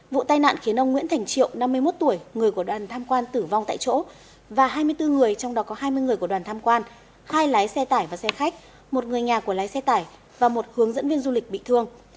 vụ tai nạn khiến ông nguyễn thành triệu năm mươi một tuổi người của đoàn tham quan tử vong tại chỗ và hai mươi bốn người trong đó có hai mươi người của đoàn tham quan hai lái xe tải và xe khách một người nhà của lái xe tải và một hướng dẫn viên du lịch bị thương